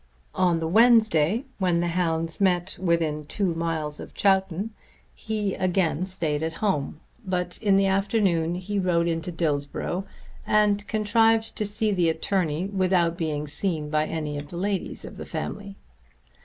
On the Wednesday, when the hounds met within two miles of Chowton, he again stayed at home; but in the afternoon he rode into Dillsborough and contrived to see the attorney without being seen by any of the ladies of the family.